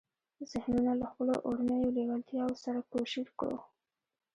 ذهنونه له خپلو اورنيو لېوالتیاوو سره کوشير کړو.